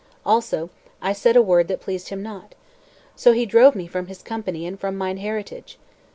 Also I said a word that pleased him not. So he drove me from his company and from mine heritage.